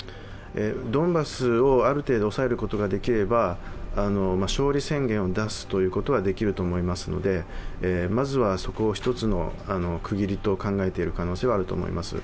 ドンバスをある程度押さえることができれば、勝利宣言を出すということはできると思いますのでまずは、そこを１つの区切りと考えている可能性はあると思います。